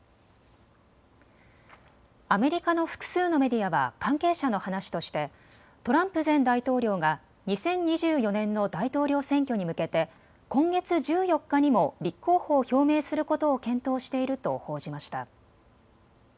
アメリカの複数のメディアは関係者の話としてトランプ前大統領が２０２４年の大統領選挙に向けて今月１４日にも立候補を表明することを検討していると報じました。